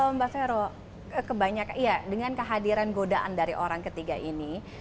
mbak vero kebanyakan iya dengan kehadiran godaan dari orang ketiga ini